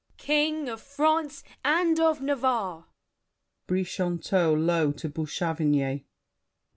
"King of France and of Navarre—" BRICHANTEAU (low to Bouchavannes).